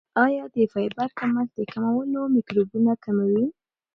آیا د فایبر کمښت د کولمو میکروبونه کموي؟